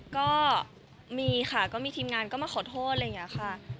ก็มีค่ะก็มีทีมงานก็มาขอโทษแล้วกันค่ะ